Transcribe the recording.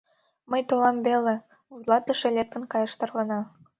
Мый толам веле, — вуйлатыше лектын каяш тарвана.